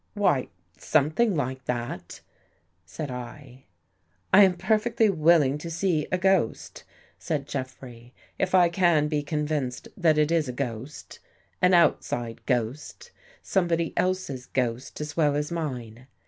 "'' Why, something like that," said I. " I am perfectly willing to see a ghost," said Jeffrey, '' if I can be convinced that it is a ghost — an outside ghost — somebody else's ghost as well as mine.